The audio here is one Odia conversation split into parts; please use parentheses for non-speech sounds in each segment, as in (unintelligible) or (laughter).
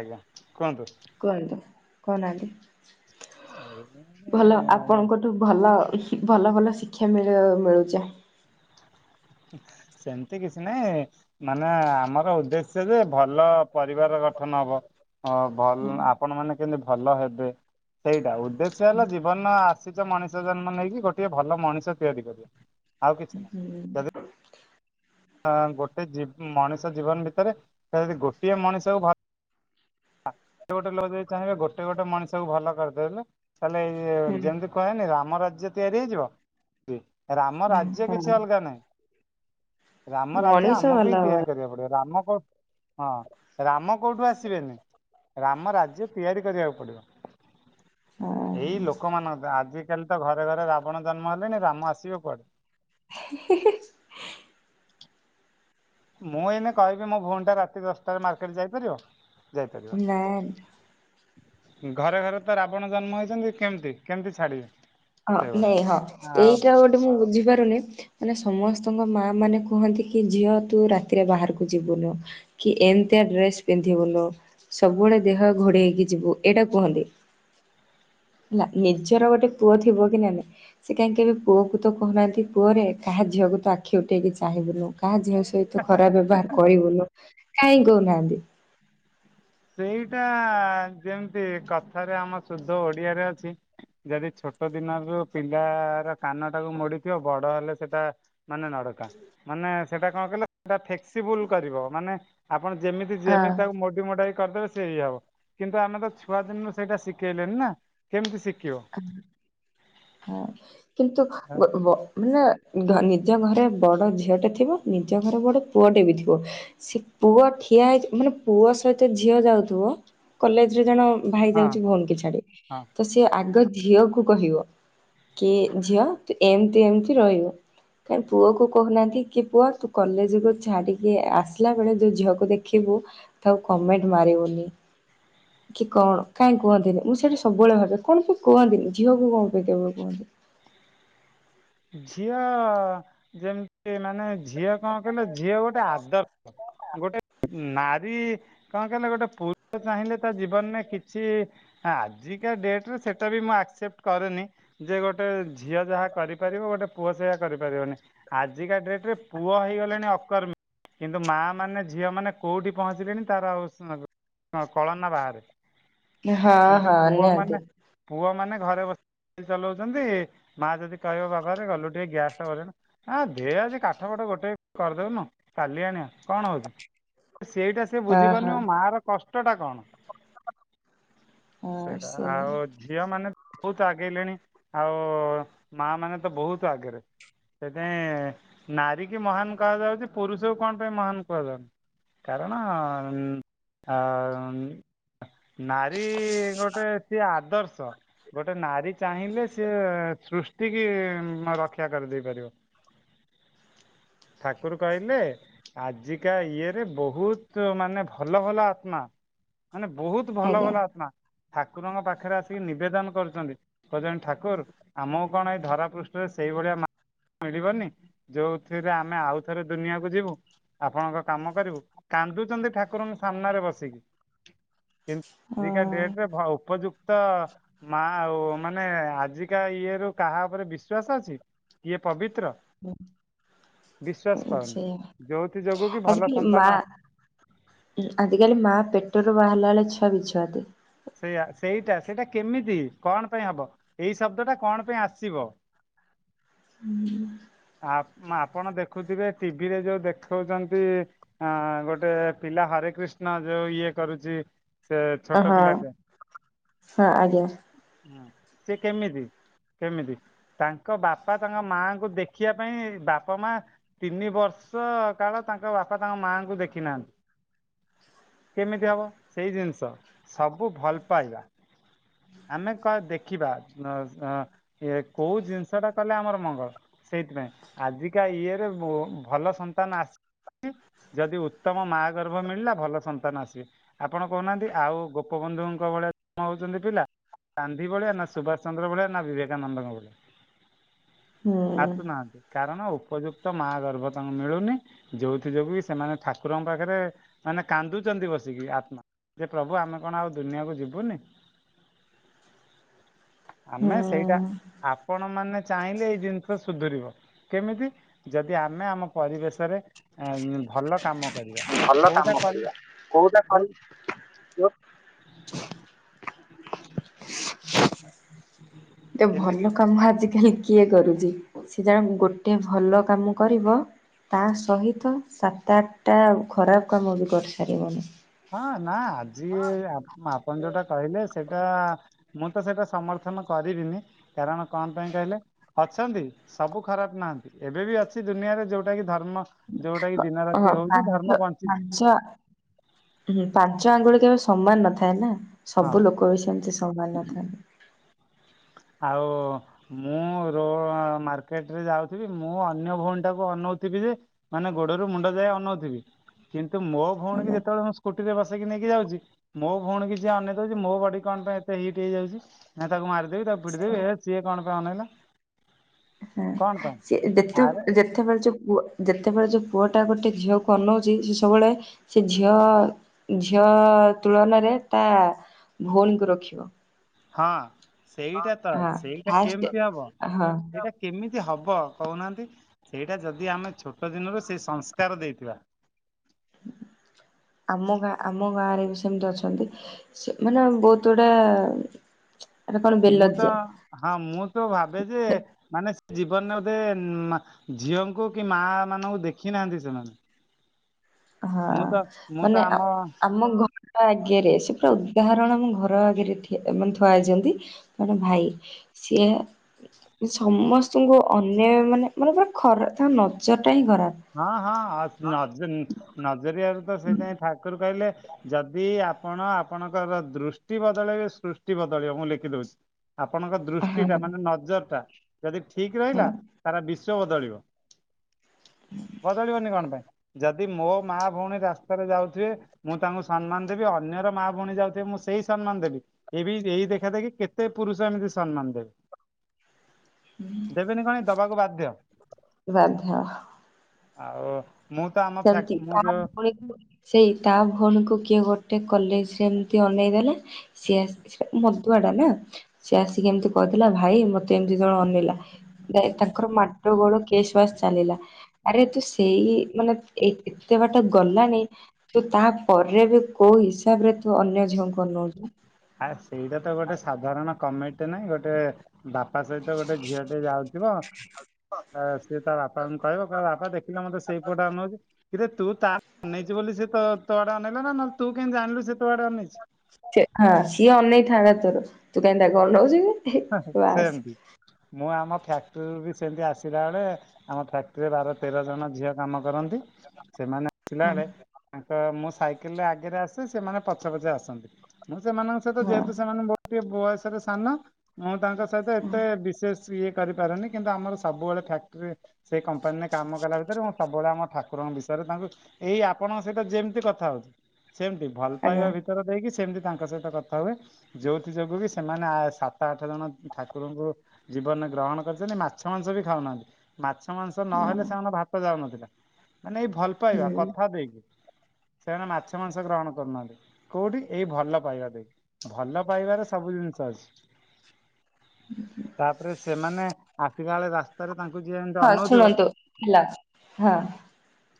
ଆଜ୍ଞା କୁହନ୍ତୁ। କୁହନ୍ତୁ କହୁନାହାନ୍ତି ଏଇ ଭଲ ଆପଣଙ୍କ ଠୁ ଭଲ, ଭଲ ଭଲ ଶିକ୍ଷା ମିଳି ମିଳୁଚି। ସେମତି କିଛି ନାହିଁ। ମାନେ ଆମର ଉଦ୍ଦେଶ୍ୟ ଯେ ଭଲ ପରିବାର ଗଠନ ହବ। ଅ ଭଲ୍ ଆପଣ ମାନ କେମିତି ଭଲ ହେବେ। ସେଇଟା। ଉଦ୍ଦେଶ୍ୟ ହେଲା ଜୀବନ ଆସିଚ ମଣିଷ ଜନ୍ମ ନେଇକି ଗୋଟିଏ ଭଲ ମଣିଷ ତିଆରି କରିବା। ଆଉ କିଛି ନାହିଁ। ହୁଁ ଅ ଗୋଟେ ଜି ମଣିଷ ଜୀବନ ଭିତରେ ତ ଯଦି ଗୋଟିଏ ମଣିଷକୁ ଭ ଗୋଟେ ଗୋଟେ ଲୋକ ଯଦି ଚାହିଁବେ ଗୋଟେ ଗୋଟେ ମଣିଷକୁ ଭଲ କରିଦେଲେ ତାହେଲେ ଇଏ ଯେମିତି ହୁଁ କୁହାଯାଏନି ରାମ ରାଜ୍ୟ ତିଆରି ହେଇଯିବ, ରାମ ରାଜ୍ୟ ହଁ କିଛି ଅଲଗା ନାହିଁ। ରାମ ରାଜ୍ୟ ମଣିଷ ଆମକୁ ଭଲ ହିଁ ହଁ ତିଆରି କରିବାକୁ ପଡିବ। ରାମ କୋଉ ହଁ ରାମ କୋଉଠୁ ଆସିବେନି। ରାମ ରାଜ୍ୟ ତିଆରି କରିବାକୁ ପଡିବ। ଏଇ ଲୋକମାନଙ୍କ ତ ଆଜିକାଲି ତ ଘରେ ଘରେ ରାବଣ ଜନ୍ମ ହେଲେଣି ରାମ ଆସିବ କୁଆଡୁ। ହି ହି ହି। ମୁଁ ଏଇନେ କହିବି ମୋ ଭଉଣୀ ଟା ରାତି ଦଶଟାରେ ମାର୍କେଟ ଯାଇପାରିବ, ଯାଇପାରିବନି। ନାଇଁ ଘରେ ଘରେ ତ ରାବଣ ଜନ୍ମ ହେଇଛନ୍ତି କେମତି କେମତି ଛାଡ଼ିବେ। ହଁ ନାଇଁ ହଁ ଏଇଟା ଗୋଟେ ମୁଁ ବୁଝିପାରୁନି ମାନେ ସମସ୍ତଙ୍କ ମା ମାନେ କୁହନ୍ତି କି ଝିଅ ତୁ ରାତିରେ ବାହାରକୁ ଯିବୁନୁ। କି ଏମତିଆ ଡ୍ରେସ୍ ପିନ୍ଧିବୁନୁ, ସବୁବେଳେ ଦେହ ଘୋଡେଇ ହେଇକି ଯିବୁ ଏଇଟା କୁହନ୍ତି। ହେଲା, ନିଜର ଗୋଟେ ପୁଅ ଥିବ କି ନାନେ ସେ କାହିଁ କେବେ ପୁଅକୁ ତ କହୁନାହାନ୍ତି ପୁଅରେ କାହା ଝିଅକୁ ତ ଆଖି ଉଠେଇକି ଚାହିଁବୁନୁ କାହା ଝିଅ ସହି ତୁ ଖରାପ ବ୍ୟବହାର କରିବୁନୁ। କାହିଁକି କହୁନାହାନ୍ତି? ସେଇଟା ଯେମତି କଥାରେ ଆମ ସୁଧ ଓଡିଆରେ ଅଛି ଯଦି ଛୋଟ ଦିନରୁ ପିଲାର କାନ ଟାକୁ ମୋଡିଥିବ ବଡ ହେଲେ ସେଟା ମାନେ ନଡକା, ମାନେ ସେଟା କଣ କହିଲ ସେଟା ଫେକ୍ସିବୁଲ କରିବ। ମାନେ ଆପଣ ଯେମିତି ହଁ। ଯେମିତି ତାକୁ ମୋଡି ମୁଡାକି କରିଦେବେ ସେ ଇଏ ହବ। କିନ୍ତୁ ଆମେ ତ ଛୁଆଦିନରୁ ସେଇଟା ଶିଖେଇଲେଣିି ନା କେମିତି ଶିଖିବ? ହଁ କିନ୍ତୁ ହଁ ବ ବ ମାନେ ନିଜ ଘରେ ବଡ ଝିଅଟେ ଥିବ ନିଜ ଘରେ ବଡ ପୁଅଟେ ବି ଥିବ। ସେ ପୁଅ ଠିଆ ହେଇ ମାନେ ପୁଅ ସହିତ ଝିଅ ଯାଉଥିବ କଲେଜ ରେ ଜାଣ ଭାଇ ଯାଉଚି ଭଉଣୀ କି ଛାଡି, ହଁ। ତ ସେ ଆଗ ଝିଅକୁୁ କହିବ। କି ଝିଅ ତୁ ଏମତି ଏମତି ରହିବୁ। କାହିଁ ପୁଅ କୁ କହୁନାହାନ୍ତି କି ପୁଅ ତୁ କଲେଜକୁ ଛାଡ଼ିକି ଆସିଲା ବେଳେ ଯଉ ଝିଅକୁ ଦେଖିବୁ ଉ କମେଣ୍ଟ ମାରିବୁନି। କି କଣ କାହିଁ କୁହନ୍ତିନି। ମୁଁ ସେଠି ସବୁବେଳେ ଭାବେ କଣ ପାଇଁ କୁହନ୍ତିନି ଝିଅକୁ କଣ ପାଇଁ କେବଳ କୁହନ୍ତି। ଝିଅ ଯେମିତି ମାନେ ଝିଅ କଣ କହିଲେ ଝିଅ ଗୋଟେ ଆଦର୍ ଗୋଟେ ନାରୀ କଣ କହିଲେ ଗୋଟେ ପୁରୁଷ ଚାହିଁଲେ ତ ଜୀବନରେ କିଛି ଆଜିକା ଡେଟ୍ ରେ ସେଟା ବି ମୁଁ ଆକ୍ସେପ୍ଟ କରେନି ଯେ ଗୋଟେ ଝିଅ ଯାହା କରି ପାରିବ ଗୋଟେ ପୁଅ ସେଇଆ କରିପାରିବନି। ଆଜିକା ଡେଟ୍ ରେ ପୁଅ ହେଇଗଲେଣି ଅକର୍ମୀ କିନ୍ତୁ ମା ମାନେ ଝିଅ ମାନେ କୋଉଠି ପହଞ୍ଚିଲେଣି ତାର। (unintelligible) ହଁ କଳନା ବାହାରେ। ହଁ କିନ୍ତୁ ହଁ ପୁଅ ମାନେ ନିହାତି। ପୁଅ ମାନେ ଘରେ ବସି ଚଲାଉଛନ୍ତି ମା ଯଦି କହିବ ବାବା ରେ ଗଲୁ ଟିକେ ଗ୍ୟାସ୍ ଟା ଭରି ଆଣିବୁ ହ ଦେ ଆଜି କାଠ ପାଠ ଗୋଟେ କରିଦେଉନୁ କଲି ଆଣିବା କଣ ହଉଛି। ସେଇଟା। ସେ ହଁ ହଁ ବୁଝିପାରୁନ ମା ର କଷ୍ଟ ଟା କଣ ହଁ ସେଇଟା ସେଇଆ ଆଉ। ଝିଅ ମାନେ ବହୁତ ଆଗେଇଲେଣି ଆଉ ମା ମାନେ ତ ବହୁତ ଆଗରେ। ସେଥିାଇଁ ନାରୀ କି ମହାନ କୁହାଯାଉଛି ପୁରୁଷକୁ କଣ ପାଇଁ ମହାନ କୁହାଯାଉନି? କାରଣ। ନାରୀ ଗୋଟେ ସିଏ ଆଦର୍ଶ ଗୋଟେ ନାରୀ। ଚାହିଁଲେ ସେି ସୂର୍ଷ୍ଟି କି ରକ୍ଷା କରିଦେଇ ପାରିବ। ଠାକୁର କହିଲେ। ଆଜିକା ଇଏ ରେ ବହୁତ ମାନେ ଭଲ ଭଲ ଆତ୍ମା। ମାନେ ବହୁତ ଭଲ ଆଜ୍ଞା ଭଲ ଆତ୍ମା। ଠାକୁରଙ୍କ ପାଖରେ ଆସିକି ନିବେଦନ କରିଛନ୍ତି କହୁଛନ୍ତି ଠାକୁର ଆମ। କଣ ଏଇ ଧରା ପୃଷ୍ଠରେ ସେଇଭଳିଆ। ମିଳିବନି ଯୋଉଥିରେ ଆମେ ଆଉ ଥରେ ଦୁନିଆକୁ ଯିବୁ। ଆପଣଙ୍କ କାମ କରିବୁ କାନ୍ଦୁଛନ୍ତି ଠାକୁରଙ୍କ ସାମ୍ନାରେ ବସିକି। କିନ୍ତୁ ଆଜିକା ହଁ। ଡେଟରେ ଉପଯୁ ତ ମା ଆଉ ମାନେ ଆଜିକା ଇଏ ରୁ। କାହା ଉପରେ ବିଶ୍ୱାସ ଅଛି କିଏ ପବିତ୍ର। ବିଶ୍ୱାସ ପାଉନି ସେଇଆ ଯୋଉଥି ଯୋଗୁ କି ଭଲ ଆଜିକାଲି ମା ସନ୍ତାନ ଆ ଆଜିକାଲି ମାଆ ପେଟରୁ ବାହାରିଲାେଳେ ଛୁଆ ବିଛୁଆତି। ସେଇୟା ସେଇଟା ସେଇଟା କେମିତି କଣ ପାଇଁ ହବ ଏଇ ଶବ୍ଦଟା କଣ ପାଇଁ ଆସିବ। ହୁଁ। ଆ ଆପଣ ଦେଖୁଥିବେ ଟିଭିରେ ଯୋଉ ଦେଖାଉଛନ୍ତି। ହଁ ଗୋଟେ ପିଲା ହରେ କୃଷ୍ଣ ଯୋଉ ଇଏ କରୁଛି। ସେ ହଁ ଛୋଟ ପିଲାଟେ। ହଁ ଆଜ୍ଞା ହୁଁ ସେ କେମିତି କେମିତି ତାଙ୍କ ବାପା ତାଙ୍କ ମାଙ୍କୁ ଦେ ଶଖିବା ପାଇଁ ବାପା ମା। ତିନି ବର୍ଷ କାଳ ତାଙ୍କ ବାପା ତାଙ୍କ ମାଆଙ୍କୁ ଦେଖି ନାହାନ୍ତି। କେମିତି ହବ ସେଇ ଜିନିଷ ସବୁ ଭଲ ପାଇବା। ଆମେ ଦେଖିବା କୋଉ ଜିନିଷ ଟା କଲେ ଆମର ମଙ୍ଗଳ। ସେଇଥିପାଇଁ ଆଜିକା ଇଏରେ ଭଲ ସନ୍ତାନ ଆ ଯଦି ଉତ୍ତମ ମା ଗର୍ଭ ମିଳିଲା ଭଲ ସନ୍ତାନ ଆସିବେ। ଆପଣ କହୁନାହାନ୍ତି ଆଉ ଗୋପବନ୍ଧୁଙ୍କ ଭଳିଆ ଜନ୍ମ ହଉଛନ୍ତି ପିଲା। ଗାନ୍ଧି ଭଳିଆ ନା ସୁଭାଷ ଚନ୍ଦ୍ର ଭଳିଆ ନା ବିବେକାନନ୍ଦଙ୍କ ଭଳିଆ। ହୁଁ। ଆସୁନାହାନ୍ତି କାରଣ ଉପଯୁକ୍ତ ମା ଗର୍ଭ ତାଙ୍କୁ ମିଳୁନି। ଯୋଉଥି ଯୋଗରୁ କି ସେମାନେ ଠାକୁରଙ୍କ ପାଖରେ ମାନେ କାନ୍ଦୁଛନ୍ତି ବସିକି ଆତ୍ମା। ଯେ ପ୍ରଭୁ ଆମେ କଣ ଆଉ ଦୁନିଆକୁ ଯିବୁନି। ଆମେ ସେଇଟା ହୁଁ। ଆପଣ ମାନେ ଚାହିଁଲେ ଏଇ ଜିନି ସୁଧୁରିବ କେମିତି ଯଦି ଆମେ ଆମ ପରିବେଶରେ ଭଲ କାମ। କରିବା ଭଲ କୋଉଟା କାମ କରି କରିବା କୋଉଟା ଯୋଉ କରି ଏତେ କେମିତି ଭଲ। କାମ ଆଜିକାଲି କିଏ କରୁଛି ସେ ଜଣେ ଗୋଟେ ଭଲ କାମ କରିବ। ତା ସହିତ ସାତ ଆଠଟା ଖରାପ କାମ ବି କରିସାରିବନି। ହଁ ନା ଆଜି ଆପଣ ଯୋଉଟା କହିଲେ ସେଇଟା। ମୁଁ ତ ସେଇଟା ସମର୍ଥନ କରିବିନି କାରଣ କଣ ପାଇଁ କହିଲେ। ଅଛନ୍ତି ସବୁ ଖରାପ ନାହାନ୍ତି ଏବେ ବି ଅଛି ଦୁନିଆରେ ଯୋଉଟା କି ଧର୍ମ। ଯୋଉଟା କିି ଦିନ ହଁ ରାତି ହଉଛି ଧର୍ମ ପାଞ୍ଚ ବଞ୍ଚିଛି। ପାଞ୍ଚ ହୁଁ ପାଞ୍ଚ ଆଙ୍ଗୁଳି କେବେ ସମାନ ନଥାଏ ନା ହଁ ସବୁ ଲୋକ ବି ସେମତି ସମାନ ନଥାନ୍ତି। ଆଉ। ମୁଁ ର ମାର୍କେଟରେ ଯାଉଥିବି ମୁଁ ଅନ୍ୟ ଭଉଣୀ ଟାକୁ ଅନଉଥିବି ଯେ। ମାନେ ଗୋଡରୁ ମୁଣ୍ଡ ଯା ଆଉ ନଉଥିବି। କିନ୍ତୁ ମୋ ଭଉଣୀ କି ଯେତେବେଳେ ମୁଁ ସ୍କୁଟି ରେ ବସେଇକି ନେଇକି ଯାଉଛି। ମୋ ଭଉଣ କିଛି ଅନେଇ ଦଉଛି ମୋ ବଡି କଣ ପାଇଁ ଏତେ ହିଟ୍ ହେଇଯାଉଛିଁ ତାକୁ ମାରିବି ତାକୁ। ପଦେବ ଆଜ୍ଞା। ସିଏ କଣ ପାଇଁ ନାଇଲା। ହଁ ସେ ଯେତେ ଆରେ ଯେ। ଯେତେବେଳେ ଯୋଉ ପୁଅ ଯେତେବେଳେ ଯୋଉ ପୁଅଟା ଗୋଟେ ଝିଅକୁ ଅନଉଛି ସେ ସବୁବେଳେ। ସେ ଝିଅ ଝିଅ ତୁଳନାରେ ତା ଭଉଣୀକୁ ରଖିବ। ହଁ ସେଇଟା ତ ହଁ ସେଇଟା ଫାଷ୍ଟ କେମିତି ହବ ହଁ ସେଇଟା। କେମିତି ହବ କହୁନାହାନ୍ତି ସେଇଟା ଯଦି ଆମେ ଛୋଟ ଦିନରୁ ସେ ସଂସ୍କାର ଦେଇଥିବା। ଆମ ଗାଁ ଆମ ଗାଁ ରେ ବି ସେମିତି ଅଛନ୍ତି। ସେ ମାନେ ବହୁତ ଗୁଡା। ଏଟା କଣ ମୁଁ ତ ବେଲଜ୍ୟା ହଁ ମୁଁ ତ ଭାବେ ଯେ। ମାନେ ସେ ଜୀବନରେ ବୋଧେ ଝିଅଙ୍କୁ କି ମା ମାନଙ୍କୁ ଦେଖି ନାହାନ୍ତି ସେମାନେ। ହଁ ମୁଁ ତ ମୁଁ ତ ମାନେ। ଆମ ଆମ ଘର ଆଗରେ ସେ ପୁରା ଉଦାହରଣ ଆମ ଘର ଆଗରେ ମାନେ ଥୁଆଯାଇଛନ୍ତି। ଜଣେ ଭାଇ ସିଏ। ସମସ୍ତଙ୍କୁ ଅନ୍ୟ ମାନେ ମାନେ ପୁରା ଖରା ତା ନଜର ଟା ହିଁ ଖରାପ। ହଁ ହଁ ନଜରଆରୁ ତ ସେଇଥିାଇଁ ଠାକୁର କହିଲେ ଯଦି। ଆପଣ ଆପଣଙ୍କର ଦୃଷ୍ଟି ବଦଳେଇବେ ସୃଷ୍ଟି ବଦଳିବ ମୁଁ ଲେଖିଦଉଛି। ଆପଣଙ୍କ ଦୃଷ୍ଟି ହଁ ଟା ମାନେ ନଜର ଟା ଯଦି ଠିକ ହଁ ରହିଲା ତାରା ବିଶଵ ବଦଳିବ। (inaudible) ବଦଳିବନି କଣ ପାଇଁ ଯଦି ମୋ ମା ଭଉଣୀ ରାସ୍ତାରେ ଯାଉଥିବେ। ମୁଁ ତାଙ୍କୁ ସମ୍ମାନ ଦେବି ଅନ୍ୟର ମା ଭଉଣୀ ଯାଉଥିବେ ମୁଁ ସେଇ ସମ୍ମାନ ଦେବି। ଏ ବି ଏଇ ଦେଖା ଦେଖି କେତେ ପୁରୁଷ ଏମିତି ସମ୍ମାନ ଦେବେ। ଦେବେନି କଣ ଦବାକୁ ବାଧ୍ୟ। ବାଧ୍ୟ୍ୟ। ଆଉ। ମୁଁ ତ। ଫ୍ୟାକ୍ଟ ସେମତି। ମୁଁ ଯୋଉ ସେଇ ତା ଭଉଣୀକୁ କିଏ ଗୋଟେ କଲେଜରେ ଏମିତି ଅନେଇଦେଲେ। ସିଏ ମଦୁଆ ଟା ନା ସିଏ ଆସିକି ଏମିତି କହିଥିଲା ଭାଇ ମତେ ଏମିତି ଜଣ ଅନେଇଲା। ତାଙ୍କର ମାଡ ଗୋଳ କେଶ ବାସ ଚାଲିଲା ଆରେ ତୁ ସେଇ ମାନେ। ଏ ଏତେ ବାଟ ଗଲାଣିି। ତୁ ତା ପରେ ବି କୋଉ ହିସାବରେ ତୁ ଅନ୍ୟ ଝିଅଙ୍କ ଅନୋଉଛୁ। ଆଁ ସେଇଟା ତ ଗୋଟେ ସାଧାରଣ କମିଟି ନାହିଁ ଗୋଟେ। ବାପା ସହିତ ଗୋଟେ ଝିଅ ଟେ ଯାଉଥିବ। ସେ ତା ବାପାଙ୍କୁ କହିବ କହିବ ବାପା ଦେଖିଲେ ମତେ ସେଇ ପୁଅଟା ଅନଉଛି। କିରେ ତୁ ଆଡେ ଅନେଇଲା ବୋଲି ସେ ତୁଆଡେ ଅନେଇଲା ନା ନହେଲେ ତୁ କେହିତି ଜାଣିଲୁ ସେ ତୁଆଡେ ଅନେଇଛି। ସେ ହଁ ସିଏ ଅନେଇ ଥାନ୍ତା ତୋର ତୁ କାହିଁକି ତାକୁ ଅନଉଛି କି। ବାସ୍। ସେମତି ମୁଁ ଆମ ଫ୍ୟାକ୍ଟ୍ରିରୁୁ ବି ସେମତି ଆସିଲା ବେଳେ ଆମ ଫ୍ୟାକ୍ଟ୍ରିରେ ବାର ତେର ଜଣ ଝିଅ କାମ କରନ୍ତି ସେମାନେ ହଁ ଥିଲାବେଳେ ତାଙ୍କ ମୁଁ ସାଇକେଲରେ ଆଗରେ ଆସେ ସେମାନେ ପଛେ ପଛେ ଆସନ୍ତି ମୁଁ ସେମାନଙ୍କ ହଁ ଯେହେତୁ ସେମାନେ ମୋଠୁ ବୟସରେ ସାନ ମୁଁ ତାଙ୍କ ସହିତ ହଁ ଏତେ ବିଶେଷ ଇଏ କରିପାରୁନେ କିନ୍ତୁ ଆମର ସବୁବେଳେ ଫ୍ୟାକ୍ଟି ସେଇ କମ୍ପାନୀରେ କାମ କଲା ଭିତରେ ମୁଁ ସବୁବେଳେ ଆମ ଠାକୁରଙ୍କ ବିଷୟରେ ତାଙ୍କୁ ଏଇ ଆପଣଙ୍କ ସହିତ ଯେମିତି କଥା ହଉଛି ସେମିତି ଭଲ ଆଜ୍ଞା ପାଇବା ଭିତରେ ଦେଇକି ସେମିତି ତାଙ୍କ ସହିତ କଥା ହୁଏ ଯୋଉଥି ଯୋଗୁ କି ସେମାନେ ଆ ସା ସାତ ଆଠ ଜଣ ଠାକୁରଙ୍କୁ ଜୀବନ ଗ୍ରହଣ କରିଛନ୍ତି ମାଛ ମାଂସ ବି ଖାଉନାହାନ୍ତି ମାଛ ମାଂସ ନହେଲେ ସେମାନଙ୍କ ଭାତ ଯାଉନଥିଲା ମାନେ ଏଇ ଭଲ ପାଇବା ହୁଁ। କଥା ଦେଇକି ସେମାନେ ମାଛ ମାଂସ ଗ୍ରହଣ କରୁନାହାନ୍ତି କୋଉଠି ଏଇ ଭଲ ପାଇବା ଦେଇ। ଭଲ ପାଇବାରେ ସବୁ ଜିନିଷ ଅଛି। ତାପରେ ସେମାନେ ଆସିଲା ବେଳେ ରା ରାସ୍ତା ରେ ତାଙ୍କୁ ଯିଏ ହଁ ଅନଉଥିବ ଶୁଣନ୍ତୁ ହେଲା ହଁ।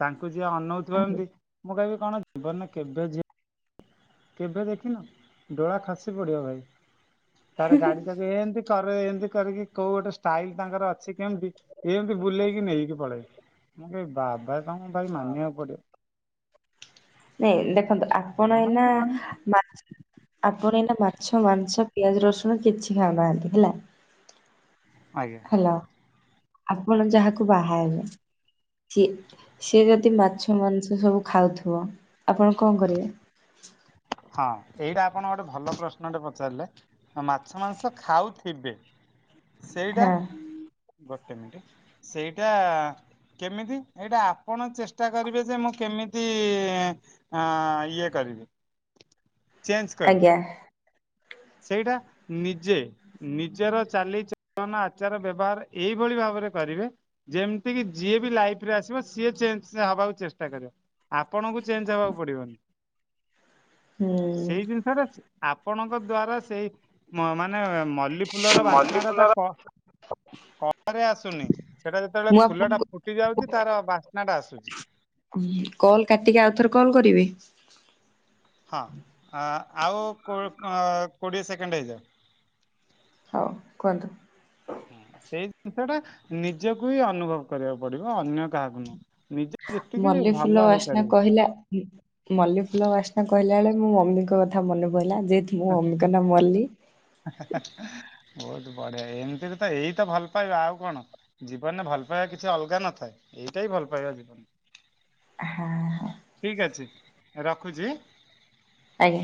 ତାଙ୍କୁ ଯିଏ ଅନଉଥିବ ଏମିତି ମୁଁ କହିବି କଣ ଜୀବନରେ କେବେ ଝିଅ କେବେ ଦେଖିନ ଡୋଳା ଖସି ପଡିବ ଭାଇ ତାର ଗାଡି ତାକୁ ଏମିତି କରେ ଏମିତି କରିକି କୋଉ ଗୋଟେ ଷ୍ଟାଇଲ ତାଙ୍କର ଅଛି କେମିତି ଏମିତି ବୁଲେଇକି ନେଇକି ପଳେଇ ମୁଁ ବାବା ତମକୁ ଭାଇ ମାନିବାକୁ ପଡିବ। ନାଇଁ ଦେଖନ୍ତୁ ଆପଣ ମାନେ ଏଇନା ସେମାନେ ମା ଆପଣ ଏଇନା ମା ମାଛ, ମାଂସ, ପିଆଜ, ରସୁଣ କିଛି ଖାଉନାହାନ୍ତି ହେଲା। ଆଜ୍ଞା। ହେଲୋ ଆପଣ ଯାହାକୁ ବାହାହେବେ ସିଏ ସିଏ ଯଦି ମାଛ ମାଂସ ସବୁ ଖାଉଥିବ ଆପଣ କଣ କରିବେ? ହଁ ଏଇଟା ଆପଣ ଗୋଟେ ଭଲ ପ୍ରଶ୍ନଟେ ପଚାରିଲେ। ମାଛ ମାଂସ ଖାଉଥିବେ ସେଇଟା ହଁ ଗୋଟେ ମିନିଟ। ସେଇଟା କେମିତି ଏଇଟା ଆପଣ ଚେଷ୍ଟା କରିବେ ଯେ ମୁଁ କେମିତି ଆଁ ଇଏ କରିବି। ଚେଞ୍ଜ କରିବି। ଆଜ୍ଞା ସେଇଟା ନିଜେ ନିଜର ଚାଲିଚଳନ ଆଚାର ବ୍ୟବହାର ଏଇଭଳି ଭାବରେ କରିବେ। ଯେମିତି କିି ଯିଏ ବି ଲାଇଫ ରେ ଆସିବ ସିଏ ଚେଞ୍ଜ ହେବାକୁ ଚେଷ୍ଟା କରିବ। ଆପଣଙ୍କୁ ଚେଞ୍ଜ ହବାକୁ ପଡିବନି ସେଇ ହୁଁ। ଜିନିଷ ଟା ଆପଣ ଦ୍ଵାରା ସେଇ ମାନେ ମଲ୍ଲି ଫୁଲର ମଲ୍ଲୀ ବାସ୍ନା ଟା ତା ଫୁଲର କ ପରେ ଆସୁନି ସେଟା ଯେତେବେଳେ ମୁଁ ଫୁଲ ଟା ଆପଣଙ୍କୁ ଫୁଟି ଯାଉଛି ତାର ବାସ୍ନା ଟା ଆସୁଛି। କଲ୍ କାଟିକି ଆଉ ଥରେ କଲ୍ କରିବି? ହଁ ଆଉ କୋ କୋଡ଼ିଏ ସେକେଣ୍ଡ ହେଇଯାଉ। ହଉ କୁହନ୍ତୁ? ହଁ ସେଇ ଜିନିଷ ଟା ନିଜକୁ ହିଁ ଅନୁଭବ କରିବାକୁ ପଡିବ ଅନ୍ୟ କାହାକୁ ନୁହଁ। ନିଜେ ଯେତିକି ମଲ୍ଲି ଭଲ ଫୁଲ ବାସ୍ନା ହେଇପାରିବେ। କହିଲା ମଲ୍ଲୀ ଫୁଲ ବାସ୍ନା କହିଲା ବେଳେ ମୋ ମମିଙ୍କ କଥା ମନେ ପଡିଲା ଯେହେତୁ ମୋ ମମିଙ୍କ ନା ମଲ୍ଲୀ। ବହୁତ ବଢିଆ ଏମିତି ବି ତ ଏଇ ତ ଭଲ ପାଇବା ଆଉ କଣ। ଜୀବନରେ ଭଲ ପାଇବା କିଛି ଅଲଗା ନଥାଏ ଏଇଟା ହିଁ ଭଲ ପାଇବା ଜୀବନରେ। ହଁ ହଁ। ଠିକ୍ ଅଛି ରଖୁଛି। ଆଜ୍ଞା।